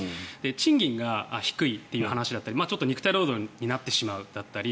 賃金が低いという話だったり肉体労働になってしまうだったり